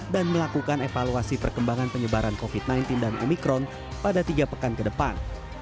dan melakukan evaluasi perkembangan penyebaran covid sembilan belas dan omikron pada tiga pekan ke depan